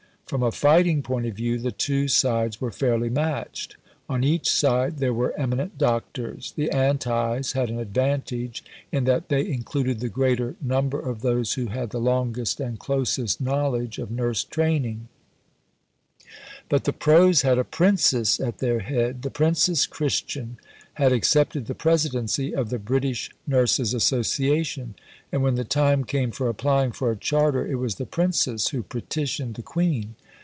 From a fighting point of view, the two sides were fairly matched. On each side there were eminent doctors. The "anti's" had an advantage in that they included the greater number of those who had the longest and closest knowledge of nurse training; but the "pro's" had a Princess at their head. The Princess Christian had accepted the presidency of the British Nurses Association; and when the time came for applying for a Charter, it was the Princess who petitioned the Queen.